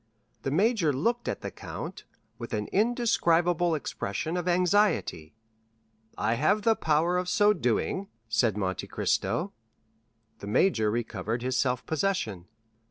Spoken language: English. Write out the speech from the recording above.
'" The major looked at the count with an indescribable expression of anxiety. "I have the power of so doing," said Monte Cristo. The major recovered his self possession.